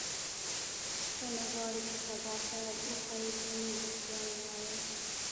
که نه غواړې چې سبا ته وښوېږې نن ریښتیا ووایه.